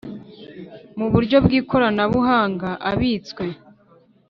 mu buryo bw ikoranabuhanga abitswe